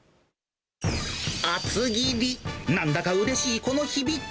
厚切り、なんだかうれしいこの響き。